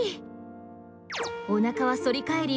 おなかは反り返り